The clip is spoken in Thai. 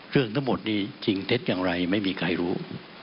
เรื่องทั้งหมดนี้จริงเท็จอย่างไรไม่มีใครรู้